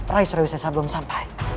raku surawisesa belum sampai